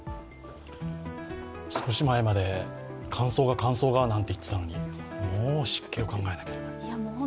少し前まで乾燥が、乾燥がなんて言ってたのに、もう湿気を考えなければいけない。